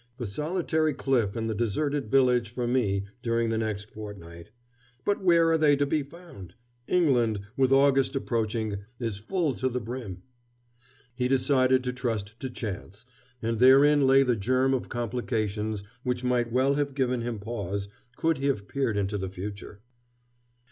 The solitary cliff and the deserted village for me during the next fortnight. But where are they to be found? England, with August approaching, is full to the brim." He decided to trust to chance, and therein lay the germ of complications which might well have given him pause, could he have peered into the future.